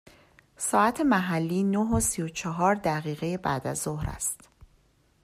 ساعت محلی نه و سی و چهار دقیقه بعد از ظهر است.